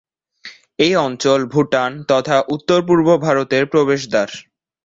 এই অঞ্চল ভুটান তথা উত্তর-পূর্ব ভারতের প্রবেশদ্বার।